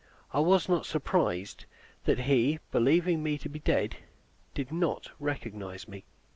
I was not surprised that he, believing me to be dead, did not recognize me.